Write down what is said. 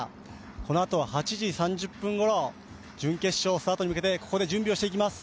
このあと８時３０分ごろ、準決勝スタートに向けてここで準備をしていきます。